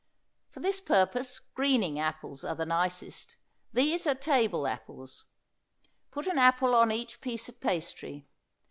For this purpose Greening apples are the nicest. These are table apples. Put an apple on each piece of pastry.